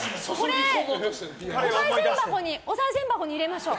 おさい銭箱に入れましょう。